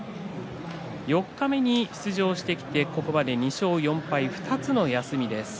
四日目に出場してきて、ここまで２勝４敗２つの休みです。